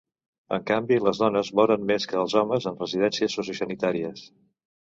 En canvi, les dones moren més que els homes en residències sociosanitàries.